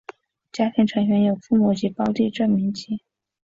家庭成员有父母及胞弟郑民基。